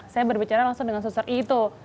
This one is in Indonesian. saya berbicara langsung dengan sosok i itu